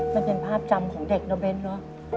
มันเป็นภาพจำของเด็กเนอะเบ้นเนอะ